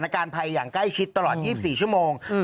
สถานการณ์ภัยอย่างใกล้ชิดตลอดยี่สิบสี่ชั่วโมงอืม